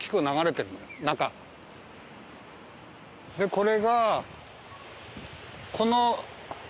これが。